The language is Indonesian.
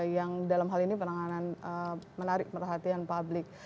yang dalam hal ini menarik perhatian publik